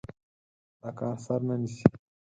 دا کار سر نه نيسي.